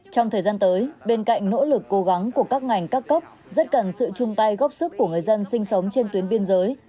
trong thời gian tới bên cạnh nỗ lực cố gắng của các ngành các cấp rất cần sự chung tay góp sức của người dân sinh sống trên tuyến biên giới